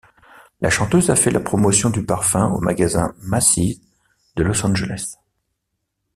La chanteuse a fait la promotion du parfum au magasin Macy’s de Los Angeles.